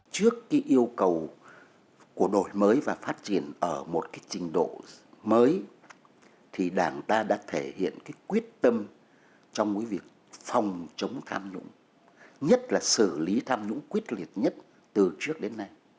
trước yêu cầu của đội mới và phát triển ở một trình độ mới đảng ta đã thể hiện quyết tâm trong việc phòng chống tham nhũng nhất là xử lý tham nhũng quyết liệt nhất từ trước đến nay